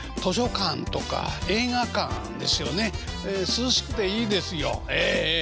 涼しくていいですよええええ。